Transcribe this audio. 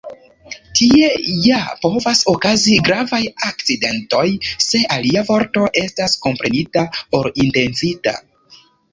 Tie ja povas okazi gravaj akcidentoj, se alia vorto estas komprenita ol intencita.